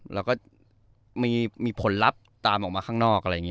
แล้วก็มีผลลัพธ์ตามออกมาข้างนอกอะไรอย่างนี้